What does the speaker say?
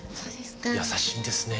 優しいんですね。